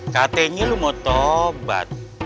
katanya lo mau tobat